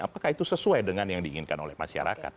apakah itu sesuai dengan yang diinginkan oleh masyarakat